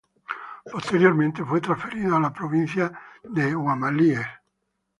Posteriormente fue transferido a la provincia de Huamalíes.